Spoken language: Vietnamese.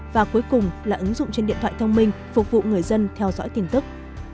và cuối cùng là ứng dụng trên điện thoại thông minh phục vụ người dân theo dõi tin tức